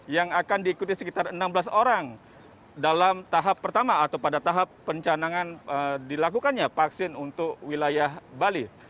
yang akan diikuti sekitar enam belas orang dalam tahap pertama atau pada tahap pencanangan dilakukannya vaksin untuk wilayah bali